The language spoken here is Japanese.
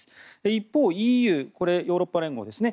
一方ＥＵ・ヨーロッパ連合ですね。